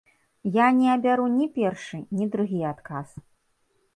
Я не абяру ні першы, ні другі адказ.